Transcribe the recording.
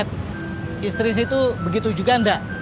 istri situ begitu juga enggak